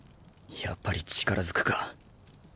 やっぱり力ずくか？